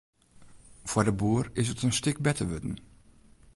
Foar de boer is it in stik better wurden.